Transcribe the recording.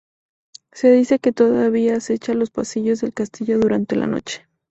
Se dice que todavía acecha los pasillos del castillo durante la noche.